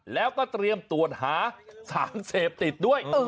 แล้วก็เตรียมตรวจหาสารเสพติดด้วย